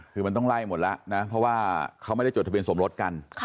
คือมันต้องไล่หมดแล้วนะเพราะว่าเขาไม่ได้จดทะเบียนสมรสกัน